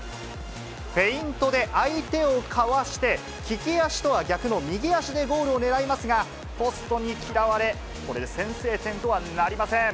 フェイントで相手をかわして、利き足とは逆の右足でゴールをねらいますが、ポストに嫌われ、これで先制点とはなりません。